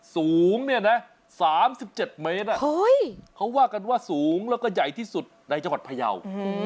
สูงเนี่ยนะ๓๗เมตรเขาว่ากันว่าสูงแล้วก็ใหญ่ที่สุดในจังหวัดพยาว